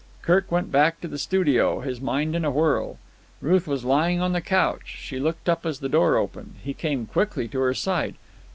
Kirk went back to the studio, his mind in a whirl. Ruth was lying on the couch. She looked up as the door opened. He came quickly to her side.